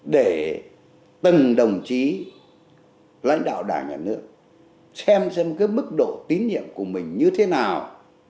để từng đồng chí lãnh đạo đảng nhà nước xem xem cái mức độ tín nhiệm của mình như thế nào